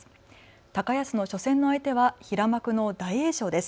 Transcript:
高安の初戦の相手は平幕の大栄翔です。